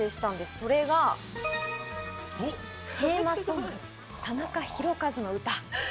それがテーマソング『田中宏和のうた』。